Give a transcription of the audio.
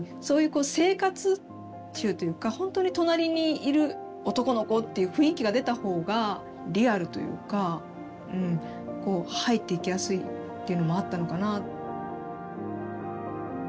そういうこう生活臭というかほんとに隣にいる男の子っていう雰囲気が出た方がリアルというかこう入っていきやすいっていうのもあったのかな。